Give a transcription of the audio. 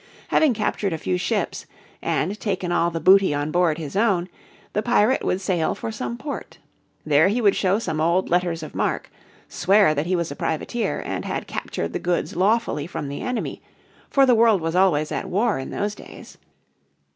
Having captured a few ships, and taken all the booty on board his own, the pirate would sail for some port. There he would show some old letters of marque, swear that he was a privateer, and had captured the goods lawfully from the enemy, for the world was always at war in those days.